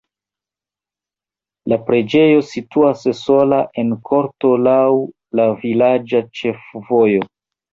La preĝejo situas sola en korto laŭ la vilaĝa ĉefvojo.